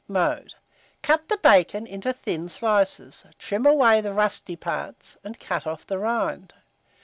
Mode. Cut the bacon into thin slices, trim away the rusty parts, and cut off the rind.